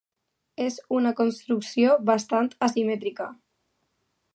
És una construcció bastant asimètrica.